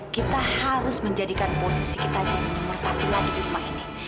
kita harus menjadikan posisi kita jadi nomor satu lagi di rumah ini